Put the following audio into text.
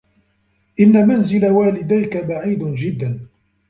إنّ منزل والديك بعيد جدّا.